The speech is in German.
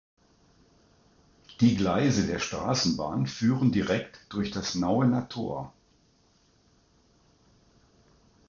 Die Gleise der Straßenbahn führen direkt durch das Nauener Tor.